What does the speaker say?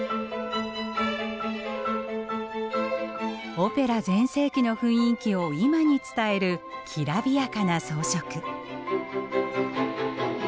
オペラ全盛期の雰囲気を今に伝えるきらびやかな装飾。